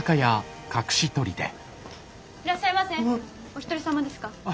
お一人様ですか？